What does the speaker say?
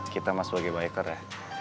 kita mas sebagai whiter ya